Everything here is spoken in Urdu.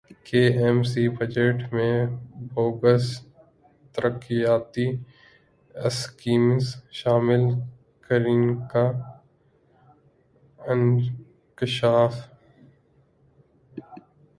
کے ایم سی بجٹ میں بوگس ترقیاتی اسکیمیں شامل کرنیکا انکشاف